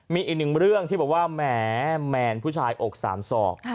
มีอีกหนึ่งเรื่องที่บอกว่าแหมแมนผู้ชายอกสามศอก